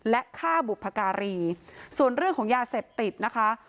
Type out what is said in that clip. และฆ่าบุพการีส่วนเรื่องของยาเสพติดนะคะ